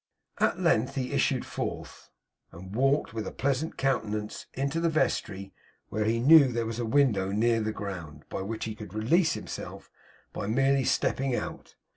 At length he issued forth, and walked with a pleasant countenance into the vestry; where he knew there was a window near the ground, by which he could release himself by merely stepping out.